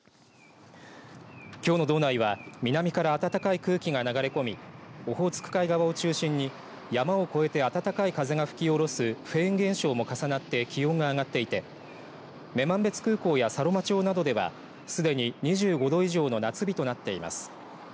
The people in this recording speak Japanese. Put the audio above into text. きょうの道内は南から暖かい空気が流れ込みオホーツク海側を中心に山を越えて暖かい風が吹き下ろすフェーン現象も重なって気温が上がっていて女満別空港や佐呂間町などではすでに２５度以上の夏日となっています。